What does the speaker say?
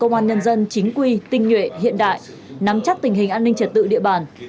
công an nhân dân chính quy tinh nhuệ hiện đại nắm chắc tình hình an ninh trật tự địa bàn